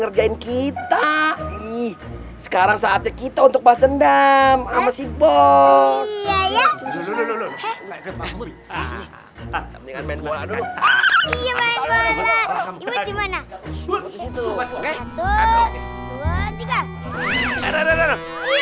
ngerjain kita ih sekarang saatnya kita untuk bahas dendam amasibol iya ya dulu dulu dulu